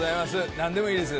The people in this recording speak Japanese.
何でもいいです。